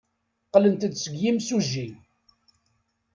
Qqlent-d seg yimsujji.